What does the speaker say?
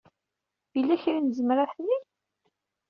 Yella kra ay nezmer ad t-neg?